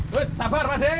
wih sabar pak deng